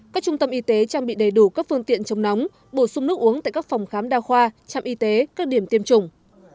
các trung tâm y tế trang bị đầy đủ các phương tiện chống nóng bổ sung nước uống tại các phòng khám đa khoa trạm y tế các điểm tiêm chủng